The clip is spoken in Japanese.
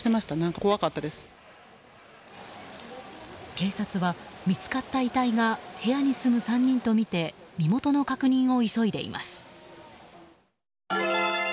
警察は、見つかった遺体が部屋に住む３人とみて身元の確認を急いでいます。